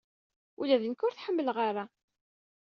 Ula d nekk ur t-ḥemmleɣ ara.